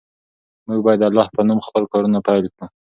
موږ باید د الله په نوم خپل کارونه پیل کړو.